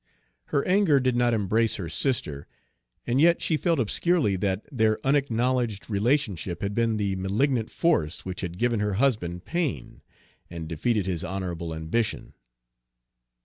Her anger did not embrace her sister, and yet she felt obscurely that their unacknowledged relationship had been the malignant force which had given her husband pain, and defeated his honorable ambition.